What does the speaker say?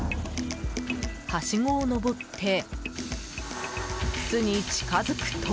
はしごを上って、巣に近づくと。